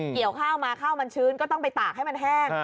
เกี่ยวข้าวมาข้าวมันชื้นก็ต้องไปตากให้มันแห้ง